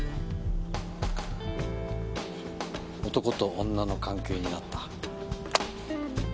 男と女の関係になった。